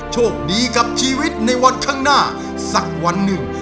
โชคดีกับชีวิตในวันข้างหน้าสักวันหนึ่ง